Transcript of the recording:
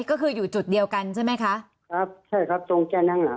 ก็คืออยู่จุดเดียวกันใช่ไหมคะครับใช่ครับตรงแค่นั้นอ่ะ